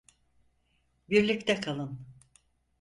Birlikte kalın.